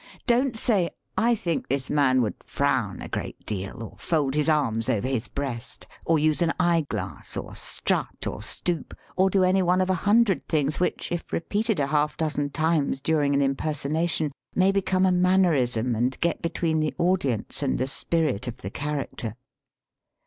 Don't say I think this man would frown a great deal, or fold his arms over his breast, or use an eye glass, or strut, or stoop, or do any one of a hundred things which, if repeated a half dozen times during an impersonation, may become a mannerism and get between the audience and the spirit of the character.